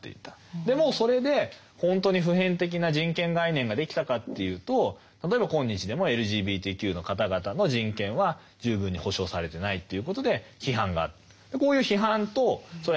もうそれで本当に普遍的な人権概念ができたかというと例えば今日でもＬＧＢＴＱの方々の人権は十分に保証されてないということで批判がある。